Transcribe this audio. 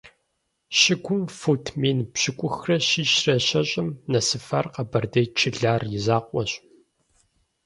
Щыгум фут мин пщыкӀухрэ щищрэ щэщӀым нэсыфар къэбэрдей Чылар и закъуэщ.